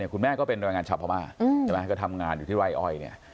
คุณแม่ก็เป็นนรายงานชาวพรหมากเต่ามาทำงานอยู่ที่รายอ้อย